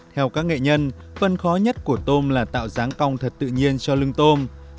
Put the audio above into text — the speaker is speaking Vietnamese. theo các nghệ nhân phân khó nhất của tôm là tạo dáng cong thật tự nhiên cho lưng tôm